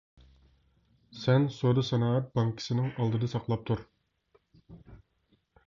سەن سودا-سانائەت بانكىسىنىڭ ئالدىدا ساقلاپ تۇر.